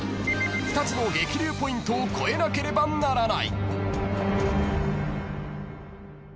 ［２つの激流ポイントを越えなければならない］